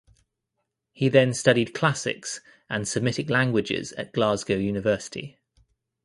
He then studied Classics and Semitic Languages at Glasgow University.